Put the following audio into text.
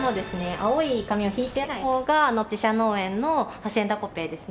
青い紙を敷いてない方が自社農園のハシエンダコペイですね